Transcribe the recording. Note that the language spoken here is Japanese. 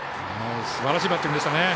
すばらしいバッティングでした。